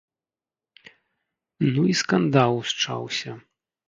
Ну і скандал усчаўся.